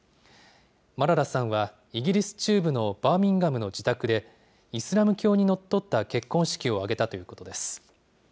マララさんは、イギリス中部のバーミンガムの自宅で、イスラム教にのっとった結婚式を挙げたということです。